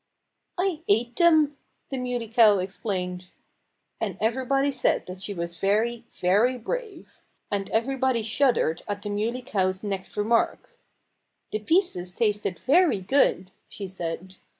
"I ate them," the Muley Cow explained. And everybody said she was very, very brave. And everybody shuddered at the Muley Cow's next remark. "The pieces tasted very good," she said.